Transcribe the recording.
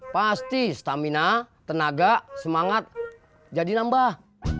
pasti stamina tenaga semangat jadi nambah